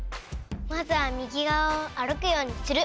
まずは右がわを歩くようにする。